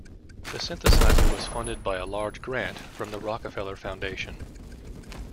The synthesizer was funded with a large grant from the Rockefeller Foundation.